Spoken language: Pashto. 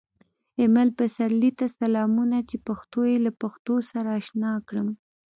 ایمل پسرلي ته سلامونه چې پښتو یې له پښتو سره اشنا کړم